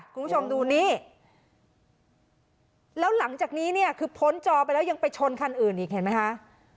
คุณผู้ชมดูนี่แล้วหลังจากนี้เนี่ยคือพ้นจอไปแล้วยังไปชนคันอื่นอีกเห็นไหมคะ